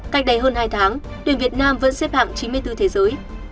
cách đây hơn hai tháng tuyển việt nam vẫn xếp hạng chín mươi bốn thế giới